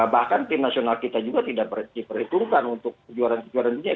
bahkan tim nasional kita juga tidak diperhitungkan untuk kejuaraan kejuaraan dunia